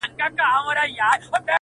نه له واسکټه اندېښنه نه له بمونو وېره-